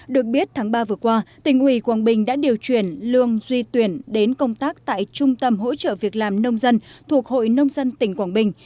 được biết tháng ba vừa qua tỉnh ủy quảng bình đã điều chuyển lương duy tuyển đến công tác tại trung tâm hỗ trợ việc làm nông dân thuộc hội nông dân tỉnh quảng bình